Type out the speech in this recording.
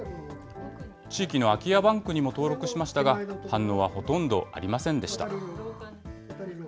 地域の空き家バンクにも登録しましたが、反応はほとんどありませんでした。